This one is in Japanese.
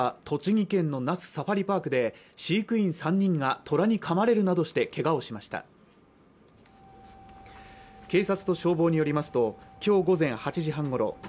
栃木県の那須サファリパークで飼育員３人が虎にかまれるなどしてけがをしました警察と消防によりますときょう午前８時半ごろ